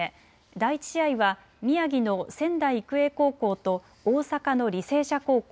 第１試合は宮城の仙台育英高校と大阪の履正社高校。